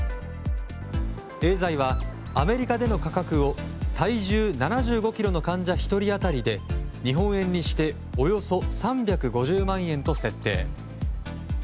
エーザイは、アメリカでの価格を体重７５ｋｇの患者１人当たりで日本円にしておよそ３５０万円と設定。